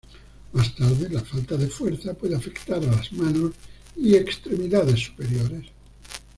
Más tarde la falta de fuerza puede afectar a las manos y extremidades superiores.